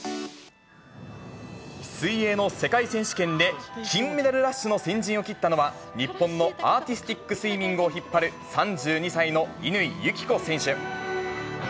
水泳の世界選手権で、金メダルラッシュの先陣を切ったのは、日本のアーティスティックスイミングを引っ張る３２歳の乾友紀子選手。